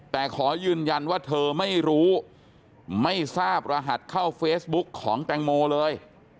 แต่ขอยืนยันว่าเธอไม่รู้ไม่ทราบรหัสเข้าเฟซบุ๊กของแตงโมเลย